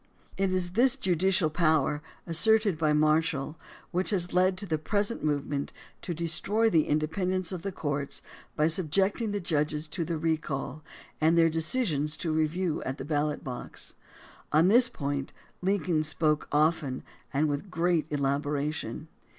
It is this judicial power, asserted by Marshall, which has led to the present move ment to destroy the independence of the courts by subjecting the judges to the recall and their decisions to review at the ballot box. On this point Lincoln spoke often and with great elaboration.